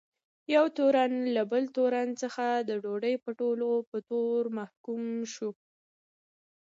یو تورن له بل تورن څخه د ډوډۍ پټولو په تور محکوم شو.